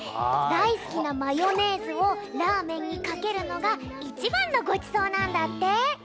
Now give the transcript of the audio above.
大好きなマヨネーズをラーメンにかけるのがいちばんのごちそうなんだって。